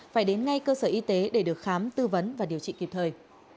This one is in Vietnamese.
phải đến ngay cơ sở y tế để được khám tư vấn và điều trị kịp thời